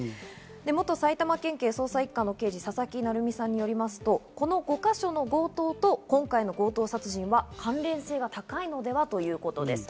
元埼玉県警捜査１課の刑事・佐々木成三さんによりますと、この５か所の強盗と今回の強盗殺人は関連性が高いのでは？ということです。